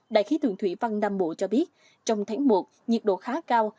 đại khí tượng thủy văn nam bộ cho biết trong tháng một nhiệt độ khá cao